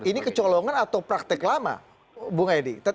ini kecolongan atau praktek lama bu ngedi